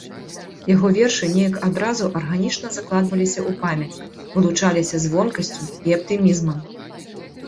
Яго вершы неяк адразу арганічна закладваліся ў памяць, вылучаліся звонкасцю і аптымізмам.